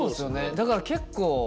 だから結構。